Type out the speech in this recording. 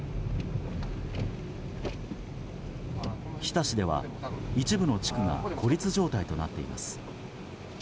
日田市では一部の地区が孤立状態となっています。